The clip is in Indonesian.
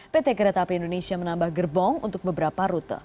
pt kereta api indonesia menambah gerbong untuk beberapa rute